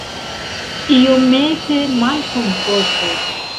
Iomete malkomforte.